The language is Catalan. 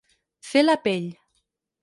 Fer la pell.